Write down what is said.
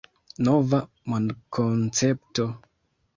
Nova mondkoncepto.